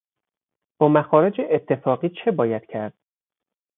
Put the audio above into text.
با مخارج اتفاقی چه باید کرد؟